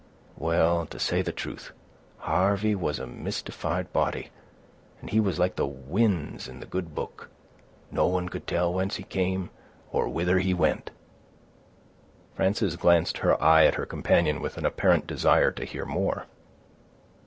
Well, to say the truth, Harvey was a mystified body, and he was like the winds in the good book; no one could tell whence he came, or whither he went." Frances glanced her eye at her companion with an apparent desire to hear more.